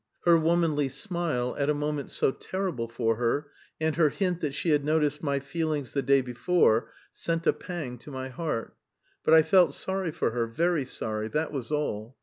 Her womanly smile at a moment so terrible for her and her hint that she had noticed my feelings the day before sent a pang to my heart; but I felt sorry for her, very sorry that was all!